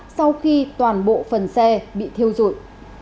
sau khi toàn bộ phần xe bị thiêu rụi